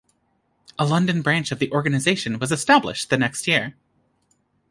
A London branch of the organisation was established the next year.